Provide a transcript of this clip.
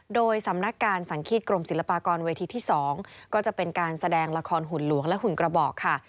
โดยสำนักการสังฆีตกรมศิลปากรเวทีที่๒ก็จะเป็นการแสดงละครหุ่นหลวงและหุ่นกระบอกค่ะ